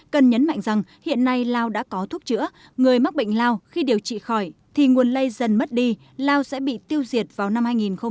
cần nhấn mạnh rằng hiện nay lao đã có thuốc chữa người mắc bệnh lao khi điều trị khỏi thì nguồn lây dần mất đi lao sẽ bị tiêu diệt vào năm hai nghìn ba mươi